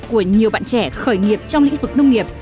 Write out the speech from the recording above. của nhiều bạn trẻ khởi nghiệp trong lĩnh vực nông nghiệp